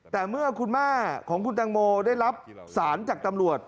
แต่เมื่อคุณแม่ของคุณตังโมได้รับสารจากตำรวจ